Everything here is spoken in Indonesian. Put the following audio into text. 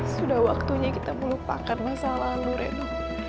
sudah waktunya kita melupakan masa lalu reno